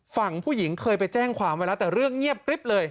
ฝั่งผู้หญิงเคยไปแจ้งความไว้แล้วแต่เรื่องเงียบกริ๊บเลย